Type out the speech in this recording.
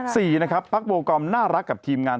สี่พักโบคมน่ารักกับทีมงาน